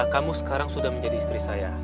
kamu sekarang sudah menjadi istri saya